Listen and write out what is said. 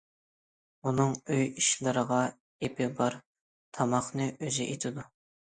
ئۇنىڭ ئۆي ئىشلىرىغا ئېپى بار، تاماقنى ئۆزى ئېتىدۇ.